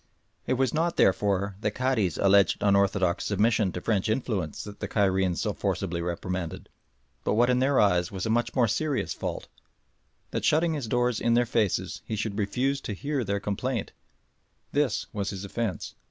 It was not, therefore, the Cadi's alleged unorthodox submission to French influence that the Cairenes so forcibly reprimanded, but what in their eyes was a much more serious fault, that shutting his doors in their faces he should refuse to hear their complaint this was his offence.